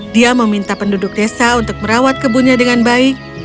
dia meminta penduduk desa untuk merawat kebunnya dengan baik